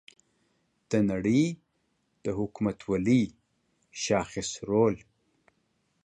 د نړۍ د حکومتولۍ شاخص رول